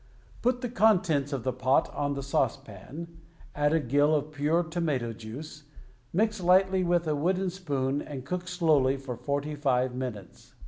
Put the contents of the pot on the saucepan, add a gill of pure tomato juice, mix lightly with a wooden spoon, and cook slowly for forty five minutes.